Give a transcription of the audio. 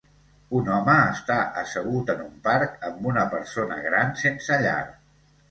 Un home està assegut en un parc amb una persona gran sense llar.